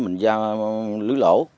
mình giao lưới lỗ